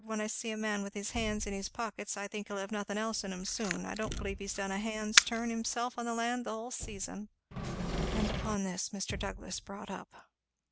When I see a man with his hands in his pockets, I think he'll have nothin' else in 'em soon. I don't believe he's done a hand's turn himself on the land the hull season!" And upon this Mr. Douglass brought up.